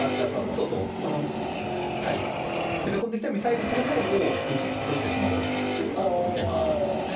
そうそう、この攻め込んできたミサイルそのものを打ち落としてしまおうというのが、この桂馬だったんですね。